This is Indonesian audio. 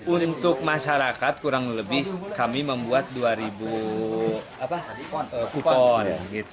untuk masyarakat kurang lebih kami membuat dua kuton